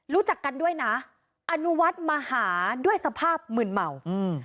รู้จักกันด้วยนะอนุวัฒน์มาหาด้วยสภาพมืนเมาอืม